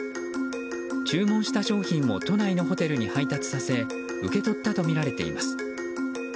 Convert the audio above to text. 注文した商品を都内のホテルに配達させ受け取ったとみられています。